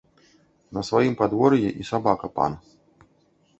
На сваім падвор'і і сабака ‒ пан